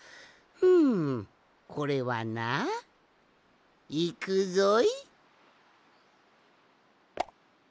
んこれはないくぞい。